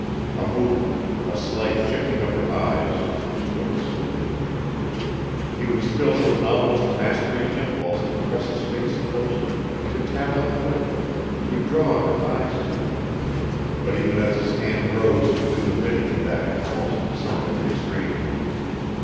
A movement, a slight shifting of her eyes, and she would have seen him. He was filled with an almost mastering impulse to press his face closer, to tap on the window, to draw her eyes to him, but even as his hand rose to do the bidding of that impulse something restrained him.